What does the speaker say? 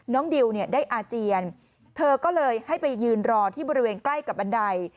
ดิวเนี่ยได้อาเจียนเธอก็เลยให้ไปยืนรอที่บริเวณใกล้กับบันได